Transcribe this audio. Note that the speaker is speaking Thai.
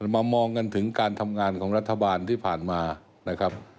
มามองกันถึงการทำงานของรัฐบาลที่ผ่านมานะครับ